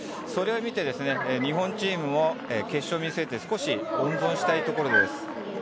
それを見て日本チームも決勝を見据えて少し温存したいところです。